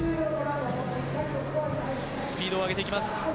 スピードを上げていきます。